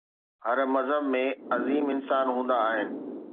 هر مذهب ۾ عظيم انسان هوندا آهن.